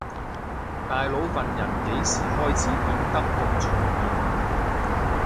大佬份人幾時開始變得咁隨便